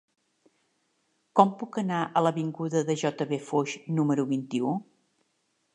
Com puc anar a l'avinguda de J. V. Foix número vint-i-u?